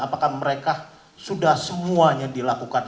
apakah mereka sudah semuanya dilakukan